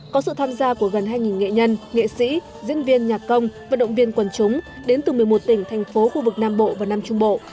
có sự tham gia của gần hai nghệ nhân nghệ sĩ diễn viên nhạc công vận động viên quần chúng đến từ một mươi một tỉnh thành phố khu vực nam bộ và nam trung bộ